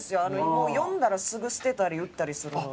もう読んだらすぐ捨てたり売ったりするので。